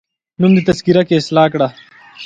نوم دي تذکره کي اصلاح کړه